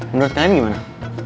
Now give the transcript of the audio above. menurut kalian gimana